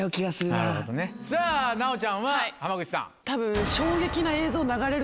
さぁ奈央ちゃんは浜口さん。